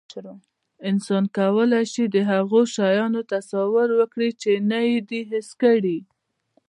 انسان کولی شي، د هغو شیانو تصور وکړي، چې نه یې دي حس کړي.